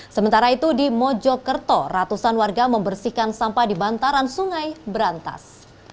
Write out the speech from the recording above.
sementara itu di mojokerto ratusan warga membersihkan sampah di bantaran sungai berantas